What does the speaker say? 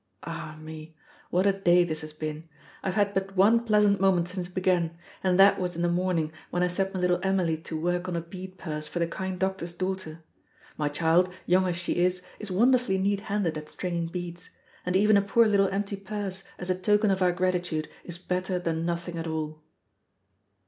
Ah, me! what a day this has been. I have had but one pleasant moment since it began; and that was in the morning, when I set my little Emily to work on a bead purse for the kind doctor's daughter. My child, young as she is, is wonderfully neat handed at stringing beads; and even a poor little empty purse as a token of our gratitude, is better than nothing at all.